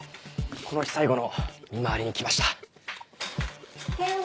この日最後の見回りに来ました。